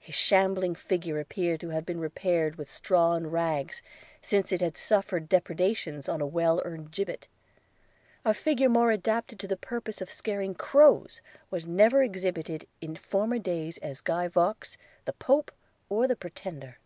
His shambling figure appeared to have been repaired with straw and rags, since it had suffered depredations on a well earned gibbet – A figure more adapted to the purpose of scaring crows, was never exhibited in former days as Guy Vaux, the Pope, or the Pretender.